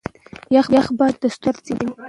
يخ باد د ستوني درد زياتوي.